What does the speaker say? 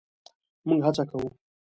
مونږ هڅه کوو